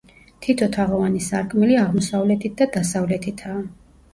თითო თაღოვანი სარკმელი აღმოსავლეთით და დასავლეთითაა.